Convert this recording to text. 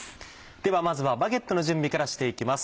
ではまずはバゲットの準備からして行きます。